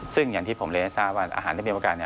ซึ่งอย่างที่ผมเรียนให้ทราบว่าอาหารที่มีโอกาส